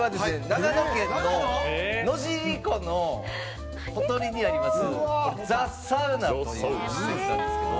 長野県の野尻湖のほとりにありますＴｈｅＳａｕｎａという施設なんですけど」